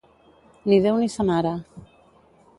Ni Déu ni sa mare